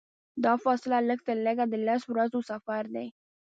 دا فاصله لږترلږه د لسو ورځو سفر دی.